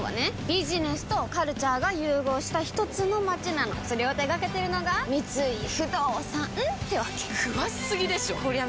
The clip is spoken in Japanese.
ビジネスとカルチャーが融合したひとつの街なのそれを手掛けてるのが三井不動産ってわけ詳しすぎでしょこりゃ